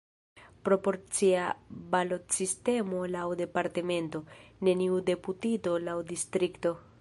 Proporcia balotsistemo laŭ departemento, neniu deputito laŭ distrikto.